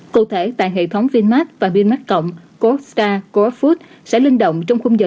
cụ thể tại hệ thống vinmax và vinmax cộng costa core food sẽ linh động trong khung giờ